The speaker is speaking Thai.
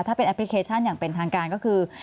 ถ้าเป็นแอปพลิเคชันอย่างเป็นทางการก็คือ